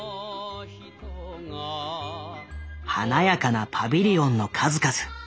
華やかなパビリオンの数々。